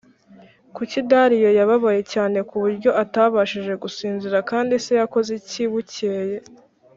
Kuki Dariyo yababaye cyane ku buryo atabashije gusinzira kandi se yakoze iki bukeye